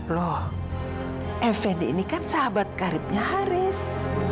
loh effendi ini kan sahabat karibnya haris